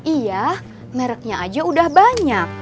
iya mereknya aja udah banyak